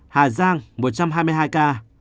hà giang một trăm hai mươi hai ca